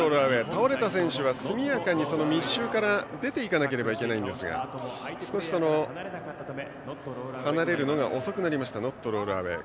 倒れた選手は速やかに密集から出ていかなければいけませんが少し離れるのが遅くなりましてノットロールアウェイ。